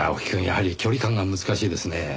やはり距離感が難しいですねぇ。